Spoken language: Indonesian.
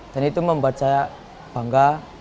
dan itu membuat saya bangga